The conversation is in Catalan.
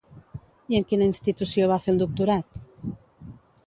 I en quina institució va fer el doctorat?